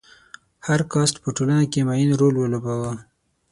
هر کاسټ په ټولنه کې معین رول ولوباوه.